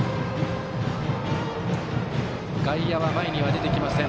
外野は前には出てきません。